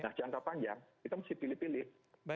nah jangka panjang kita mesti pilih pilih